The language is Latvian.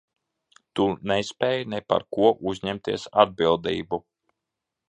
Tu nespēj ne par ko uzņemties atbildību.